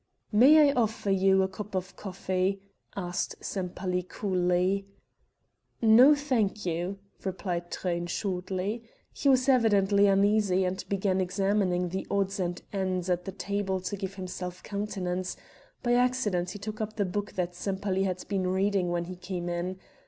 "May I offer you a cup of coffee?" asked Sempaly coolly. "No thank you," replied Truyn shortly. He was evidently uneasy, and began examining the odds and ends at the table to give himself countenance; by accident he took up the book that Sempaly had been reading when he came in.